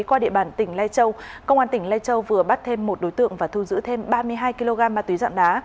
qua địa bàn tỉnh lai châu công an tỉnh lai châu vừa bắt thêm một đối tượng và thu giữ thêm ba mươi hai kg ma túy dạng đá